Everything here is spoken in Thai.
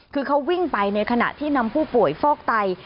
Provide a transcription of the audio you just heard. คือเขาวิ่งไปในขณะที่นำผู้ป่วยฟอกไต